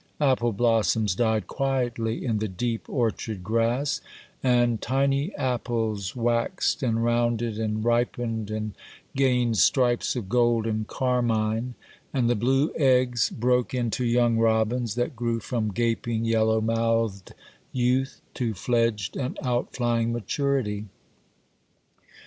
Apple blossoms died quietly in the deep orchard grass, and tiny apples waxed and rounded and ripened and gained stripes of gold and carmine; and the blue eggs broke into young robins, that grew from gaping, yellow mouthed youth to fledged and outflying maturity.